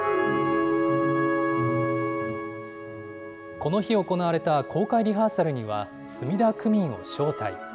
この日、行われた公開リハーサルには、墨田区民を招待。